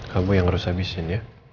kamu yang harus habisin ya